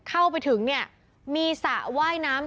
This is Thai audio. เข้าไปถึงเนี่ยมีสระว่ายน้ำ